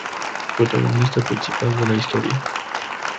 Protagonista principal de la historia.